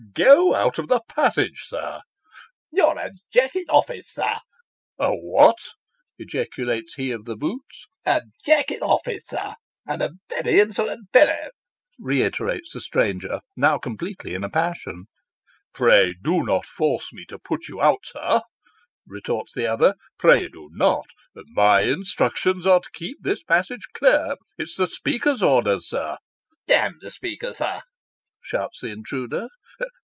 ' Go out of the passage, sir." 4 You're a Jack in office, sir." ' A what ?" ejaculates he of the boots. 'A Jack in office, sir, and a very insolent fellow," reiterates the stranger, now completely in a passion. "Pray do not force me to put you out, sir," retorts the other " pray do not my instructions are to keep this passage clear it's the Speaker's orders, sir." " D n the Speaker, sir !" shouts the intruder.